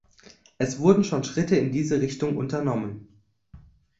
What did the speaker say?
Es wurden schon Schritte in diese Richtung unternommen.